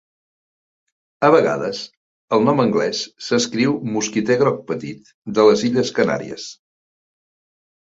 A vegades el nom anglès s'escriu mosquiter groc petit de les Illes Canàries.